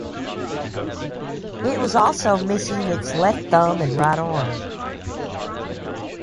It was also missing its left thumb and right arm.